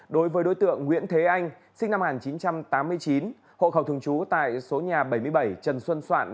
đối với đối tượng nguyễn thế anh sinh năm một nghìn chín trăm tám mươi chín hộ khẩu thường trú tại số nhà bảy mươi bảy trần xuân soạn